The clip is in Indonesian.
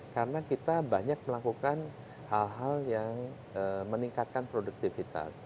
karena kita banyak melakukan hal hal yang meningkatkan produktivitas